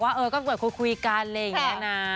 ว่าเอ้ยก็คุยกันเลยเนี่ยนะ